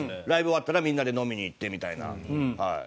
ライブ終わったらみんなで飲みに行ってみたいな。